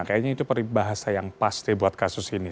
kayaknya itu bahasa yang pasti buat kasus ini